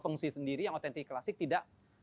pengungsi sendiri yang otentik klasik tidak